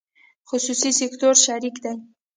خصوصي سکتور شریک دی